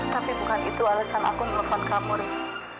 tapi bukan itu alasan aku melepon kamu ras